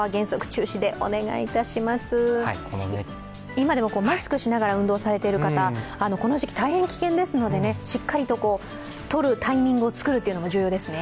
今でもマスクしながら運動されている方、この時期、大変危険ですのでしっかりととるタイミングを作るというのも大事ですね。